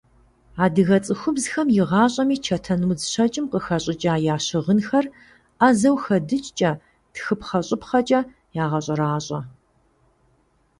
Адыгэ цӀыхубзхэм игъащӀэми чэтэнудз щэкӀым къыхэщӀыкӀа я щыгъынхэр Ӏэзэу хэдыкӀкӀэ, тхыпхъэ-щӀыпхъэкӀэ ягъэщӀэращӀэ.